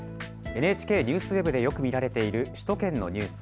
ＮＨＫＮＥＷＳＷＥＢでよく見られている首都圏のニュース。